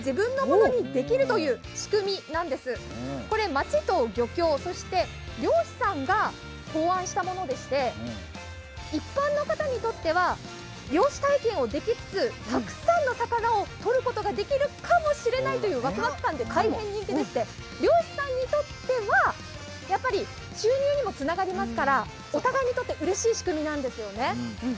町と漁協、漁師さんが考案したものでして一般の方にとっては漁師体験をできつつ、たくさんの魚を取ることができるかもしれないというワクワク感で大変人気でして、漁師さんにとっては収入にもつながりますからお互いにとってうれしい仕組みなんですよね。